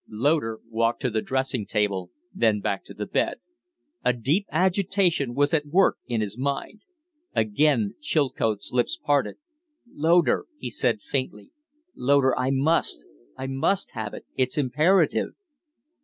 Loder walked to the dressing table, then back to the bed. A deep agitation was at work in his mind. Again Chilcote's lips parted. "Loder," he said, faintly "Loder, I must I must have it. It's imperative."